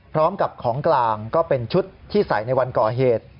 พร้อมกับของกลางก็เป็นชุดที่ใส่ในวันก่อเหตุ